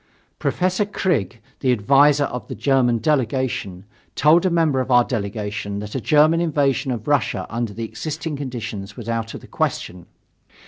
Professor Krigge, the advisor of the German delegation, told a member of our delegation that a German invasion of Russia under the existing conditions was out of the question.